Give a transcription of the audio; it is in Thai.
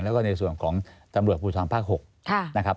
แล้วก็ในส่วนของตำรวจภูทรภาค๖นะครับ